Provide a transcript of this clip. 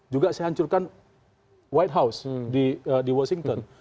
juga saya hancurkan white house di washington